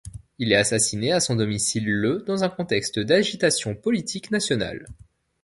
Il est assassiné à son domicile le dans un contexte d'agitation politique nationale.